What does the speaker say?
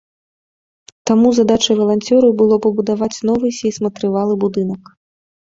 Таму задачай валанцёраў было пабудаваць новы сейсматрывалы будынак.